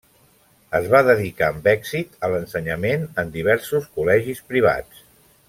Es va dedicar amb èxit a l'ensenyament en diversos col·legis privats.